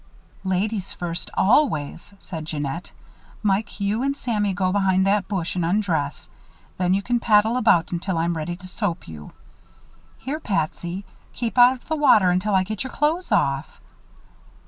"Ladies first, always," said Jeannette. "Mike, you and Sammy go behind that bush and undress. Then you can paddle about until I'm ready to soap you. Here, Patsy! Keep out of the water until I get your clothes off.